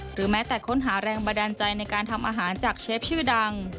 แม้แต่ค้นหาแรงบันดาลใจในการทำอาหารจากเชฟชื่อดัง